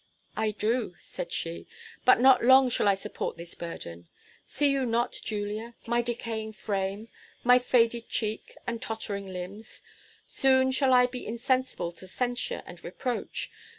"I do," said she; "but not long shall I support this burden. See you not, Julia, my decaying frame, my faded cheek, and tottering limbs? Soon shall I be insensible to censure and reproach.